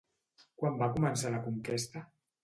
Quan va començar la conquesta?